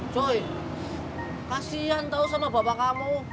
cuy kasihan tau sama bapak kamu